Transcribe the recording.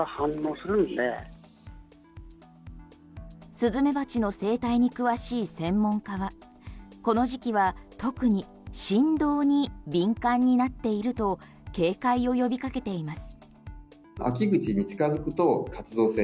スズメバチの生態に詳しい専門家はこの時期は特に振動に敏感になっていると警戒を呼びかけています。